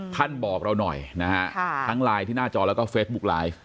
ท่านบอกเราหน่อยนะฮะทั้งไลน์ที่หน้าจอแล้วก็เฟซบุ๊กไลฟ์